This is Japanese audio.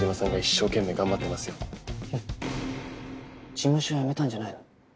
事務所辞めたんじゃないの？